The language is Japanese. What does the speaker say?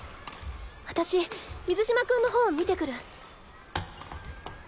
私水嶋君のほう見てくる。